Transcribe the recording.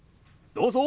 どうぞ！